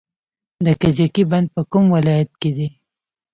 د کجکي بند په کوم ولایت کې دی؟